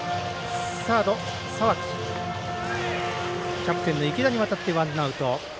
キャプテンの池田に渡ってワンアウト。